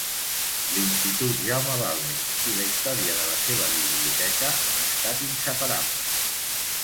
L’Institut Jaume Balmes i la història de la seva biblioteca han estat inseparables.